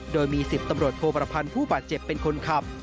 โดยมี๑๐ตำรวจโทประพันธ์ผู้บาดเจ็บเป็นคนขับ